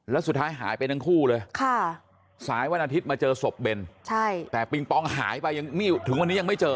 แล้วสุดท้ายหายไปทั้งคู่เลยสายวันอาทิตย์มาเจอศพเบนแต่ปิงปองหายไปยังถึงวันนี้ยังไม่เจอ